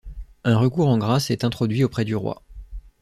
Un recours en grâce est introduit auprès du Roi.